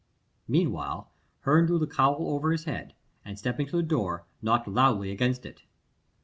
Meanwhile Herne drew the cowl over his head, and stepping to the door, knocked loudly against it.